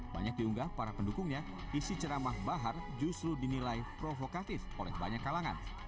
banyak diunggah para pendukungnya isi ceramah bahar justru dinilai provokatif oleh banyak kalangan